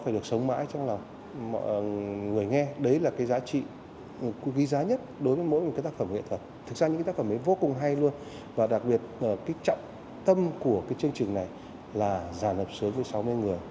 đặc biệt trọng tâm của chương trình này là giàn hợp sướng với sáu mươi người